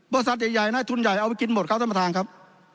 ใหญ่นักทุนใหญ่เอาไปกินหมดครับท่านประธานครับ